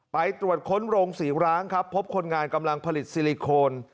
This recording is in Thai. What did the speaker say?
ไปตรวจค้นโรงศรีร้างครับพบคนงานกำลังผลิตซิลิโคน